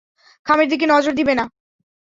খামের দিকে নজর দিবে না!